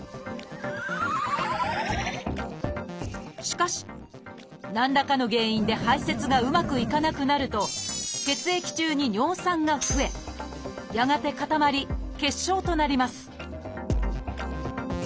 しかし何らかの原因で排せつがうまくいかなくなると血液中に尿酸が増えやがて固まり結晶となります